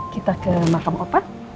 kita ke makam opah